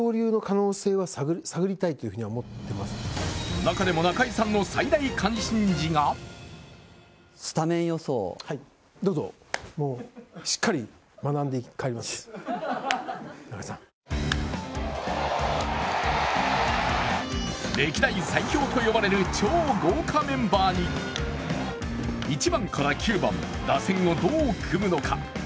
中でも中居さんの最大関心事が歴代最強と呼ばれる超豪華メンバーに１番から９番、打線をどう組むのか。